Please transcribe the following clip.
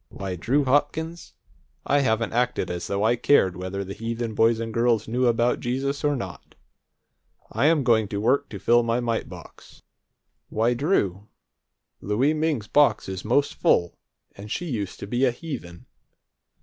Why, Drew Hopkins, I haven't acted as though I cared whether the heathen boys and girls knew about Jesus or not! I'm going to work to fill my mite box. Why, Drew, Louie Ming's box is most full, and she used to be a heathen!"